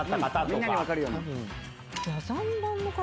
みんなに分かるように。